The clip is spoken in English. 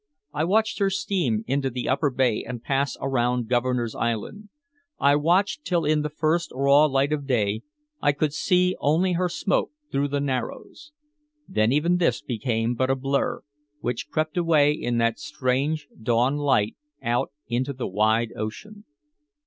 I watched her steam into the Upper Bay and pass around Governor's Island. I watched till in the first raw light of day I could see only her smoke through the Narrows. Then even this became but a blur, which crept away in that strange dawn light out into the wide ocean.